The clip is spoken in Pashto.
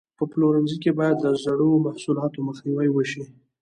په پلورنځي کې باید د زړو محصولاتو مخنیوی وشي.